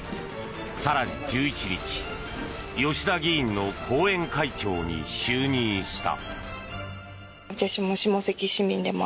更に１１日、吉田議員の後援会長に就任した。